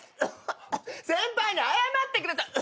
先輩に謝ってください！